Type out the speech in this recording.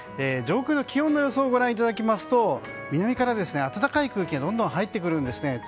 上空の気温の予想をご覧いただきますと南から暖かい空気がどんどん入ってくるんですね。